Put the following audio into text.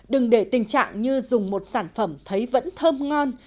đừng để tình trạng như dùng một sản phẩm thấy vẫn thơm ngon